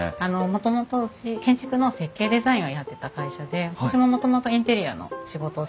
もともとうち建築の設計デザインをやってた会社で私ももともとインテリアの仕事をしてた者なんです。